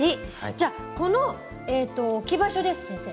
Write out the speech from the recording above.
じゃこの置き場所です先生。